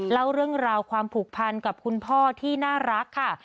เล่าเรื่องราวความผูกพันกับคุณพ่อที่น่ารักค่ะ